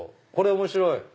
これ面白い！